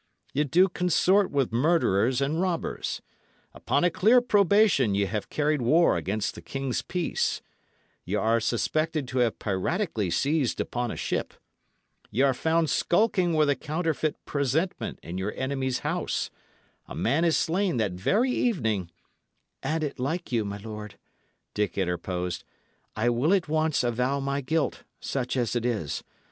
Ye do consort with murderers and robbers; upon a clear probation ye have carried war against the king's peace; ye are suspected to have piratically seized upon a ship; ye are found skulking with a counterfeit presentment in your enemy's house; a man is slain that very evening " "An it like you, my lord," Dick interposed, "I will at once avow my guilt, such as it is.